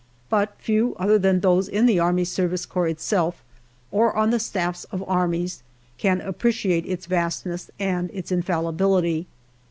But few, other than those in the A.S.C. itself or on the staffs of armies, can appreciate its vastness and its infallibility.